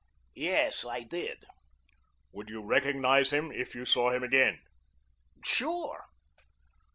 "Yes, I did." "Would you recognize him if you saw him again?" "Sure."